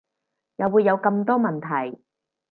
又會有咁多問題